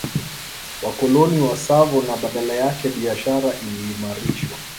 Wakoloni wa Tsavo na badala yake biashara iliimarishwa